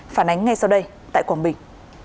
phản ánh ngay sau đây tại quảng bình